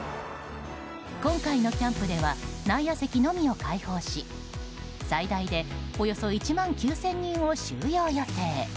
今回のキャンプでは内野席のみを開放し最大でおよそ１万９０００人を収容予定。